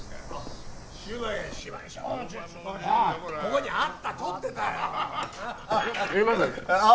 ここにあった取ってたよいります？